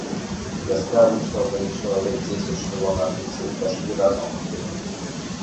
З ляска выйшла да іх чалавек дзесяць чырвонаармейцаў і пайшлі разам усе.